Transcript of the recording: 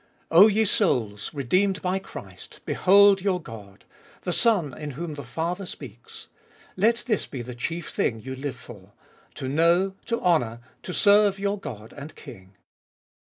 O ye souls, redeemed by Christ, behold your God ! the Son in whom the Father speaks. Let this be the chief thing you live for — to know, to honour, to serve your God and King.